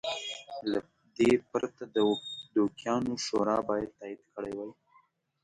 له دې پرته د دوکیانو شورا باید تایید کړی وای.